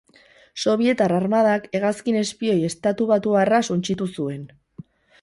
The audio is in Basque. Sobietar armadak hegazkin espioi estatubatuarra suntsitu zuen.